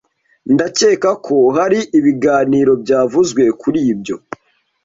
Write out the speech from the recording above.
Ndakeka ko hari ibiganiro byavuzwe kuri ibyo.